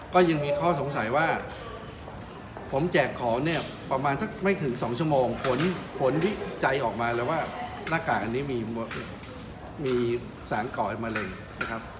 ก็ยังมีข้อสงสัยว่าผมแจกของเนี่ยประมาณสักไม่ถึง๒ชั่วโมงผลวิจัยออกมาเลยว่าหน้ากากอันนี้มีสารก่อออกมาเลยนะครับ